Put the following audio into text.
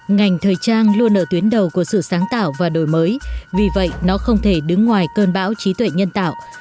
ngành thời trang luôn ở tuyến đầu của sự sáng tạo và đổi mới vì vậy nó không thể đứng ngoài cơn bão trí tuệ nhân tạo